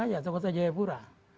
aja atau kota jayapura